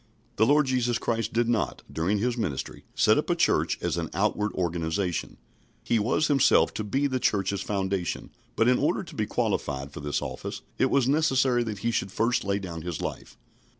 The Lord Jesus Christ did not, during His ministry, set up a Church as an outward organisation. He was Himself to be the Church's foundation; but in order to be qualified for this office it was necessary that He should first lay down His life.